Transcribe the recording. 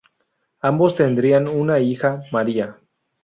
Ambos tendrían una hija, María.